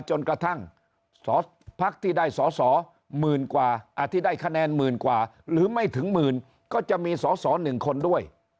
จนกระทั่งพักที่ได้คะแนนหมื่นกว่าหรือไม่ถึงหมื่นก็จะมีสอสอ๑คนด้วย